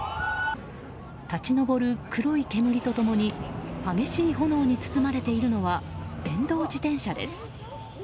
立ち上る、黒い煙と共に激しい炎に包まれているのは電動自転車です。